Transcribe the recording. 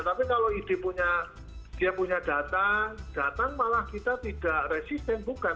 tapi kalau ide punya data datang malah kita tidak resisten bukan